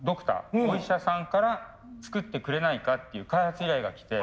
お医者さんから作ってくれないかっていう開発依頼がきて。